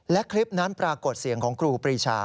และคลิปนั้นปรากฏเสียงของครูปรีชา